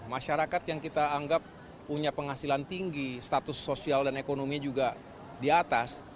masyarakat yang kita anggap punya penghasilan tinggi status sosial dan ekonomi juga di atas